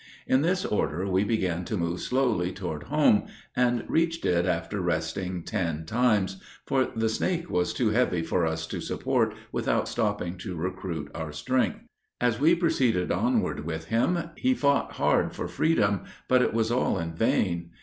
In this order we began to move slowly toward home, and reached it after resting ten times; for the snake was too heavy for us to support, without stopping to recruit our strength. As we proceeded onward with him, he fought hard for freedom, but it was all in vain.